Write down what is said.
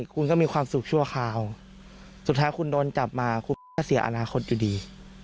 คุณก็มีความสุขชั่วคราวสุดท้ายคุณโดนจับมาคุณก็เสียอนาคตอยู่ดี